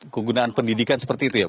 kegunaan pendidikan seperti itu ya pak